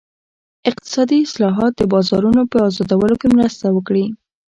اقتصادي اصلاحات د بازارونو په ازادولو کې مرسته وکړي.